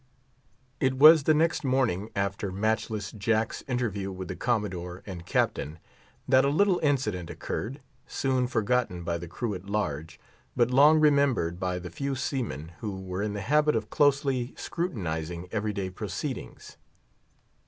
It was the next morning after matchless Jack's interview with the Commodore and Captain, that a little incident occurred, soon forgotten by the crew at large, but long remembered by the few seamen who were in the habit of closely scrutinising every day proceedings.